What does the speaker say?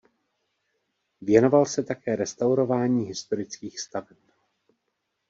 Věnoval se také restaurování historických staveb.